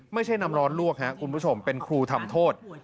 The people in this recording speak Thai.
ไม่ใช่น้ำร้อนลวกครับคุณผู้ชมเป็นครูทำโทษ